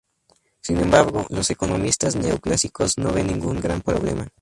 Sin embargo, los economistas neoclásicos no ven ningún gran problema.